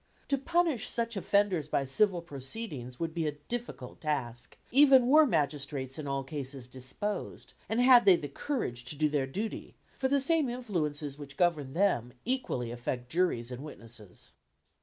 To punish such offenders by civil proceedings would be a difficult task, even were magistrates in all cases disposed and had they the courage to do their duty, for the same influences which govern them equally affect juries and witnesses."